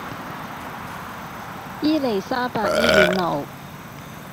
伊利沙伯醫院路